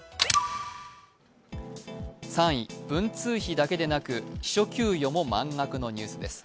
３位、文通費だけでなく秘書給与も満額のニュースです。